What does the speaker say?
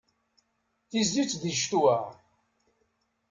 Tizzit di ccetwa!